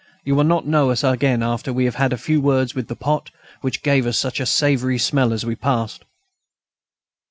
You will not know us again after we have had a few words with the pot which gave out such a savoury smell as we passed."